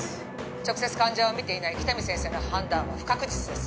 直接患者を診ていない喜多見先生の判断は不確実です